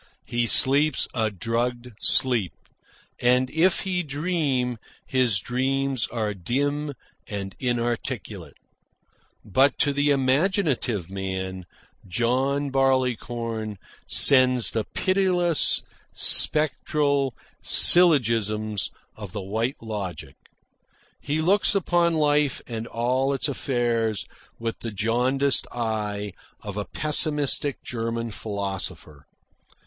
He sleeps a drugged sleep, and, if he dream, his dreams are dim and inarticulate. But to the imaginative man, John Barleycorn sends the pitiless, spectral syllogisms of the white logic. He looks upon life and all its affairs with the jaundiced eye of a pessimistic German philosopher.